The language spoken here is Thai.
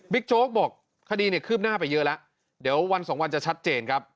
บิ๊กโจ๊กบอกคดีขึ้นหน้าไปเยอะแล้วเดี๋ยววัน๒วันจะชัดเจนครับ